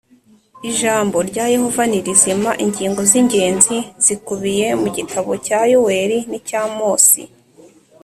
Ijambo rya yehova ni rizima ingingo z ingenzi z ibikubiye mu gitabo cya yoweli n icya amosi